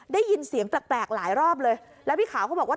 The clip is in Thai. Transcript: ได้ยินเสียงแปลกหลายรอบเลยแล้วพี่ขาวเขาบอกว่า